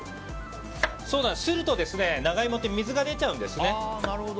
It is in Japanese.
すると水が出ちゃうんですね。